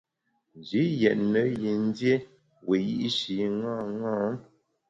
Nji yètne yin dié wiyi’shi ṅaṅâ.